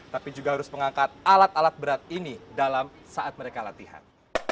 tapi juga harus mengangkat alat alat berat ini dalam saat mereka latihan